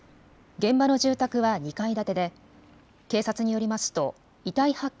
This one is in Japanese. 現場の住宅は２階建てで警察によりますと遺体発見